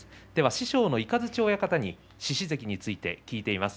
師匠の雷親方に獅司関について聞いています。